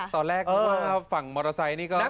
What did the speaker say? ตอนแรกว่าฝั่งมอเตอร์ไซต์นี่ก็ร้อนแล้วนะ